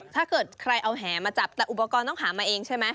ถ้าเกิดใครเอาแหมาจับแต่อุปกรณ์ต้องหามาเองใช่ไหม